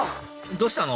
どうしたの？